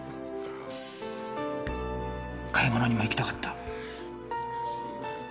買い物にも行きたかった。